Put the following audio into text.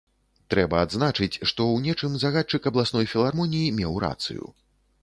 Трэба адзначыць, што ў нечым загадчык абласной філармоніі меў рацыю.